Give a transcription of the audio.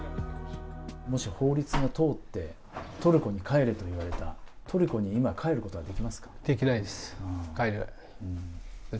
もし法律が通って、トルコに帰れと言われたらトルコに今、帰ることはできますか？